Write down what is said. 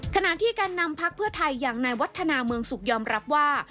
ขณะที่แก่นำพักเพื่อไทยอย่างในวัฒนาเมืองสุขยอมรับว่า